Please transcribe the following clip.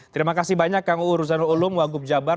terima kasih banyak kuu ruzanul ulum wagub jabar